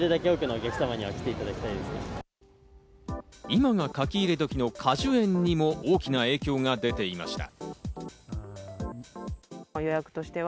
今がかき入れ時の果樹園にも大きな影響が出ていました。